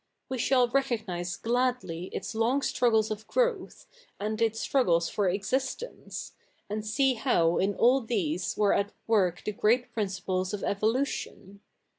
We shall recogpiise gladly its lo?ig struggles of growth, and its struggles for existettce, and see how in all these were at work the great priiiciples of evolution.